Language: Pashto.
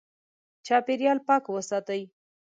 چاپېریال پاک وساتې.